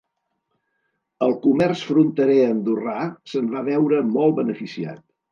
El comerç fronterer andorrà se’n va veure molt beneficiat.